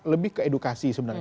lebih ke edukasi sebenarnya